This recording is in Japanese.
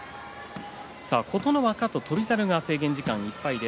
琴ノ若と翔猿が制限時間いっぱい。